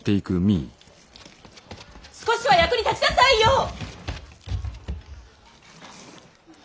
少しは役に立ちなさいよ！